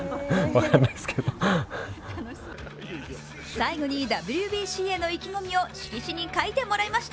最後にＷＢＣへの意気込みを色紙に書いてもらいました。